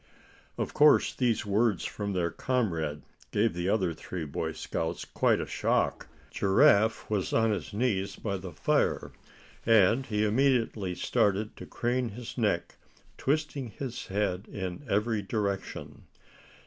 Of course these words from their comrade gave the other three Boy Scouts quite a shock. Giraffe was on his knees by the fire, and he immediately started to crane his neck, twisting his head in every direction.